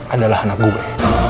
adalah anak gue